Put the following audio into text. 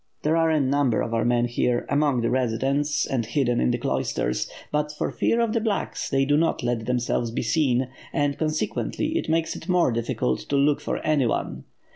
There are a number of our men here, among the residents and hidden in the cloisters; but, for fear of the ^blacks', they do not let themselves be seen, and consequently it makes it more difficult to look for anyone.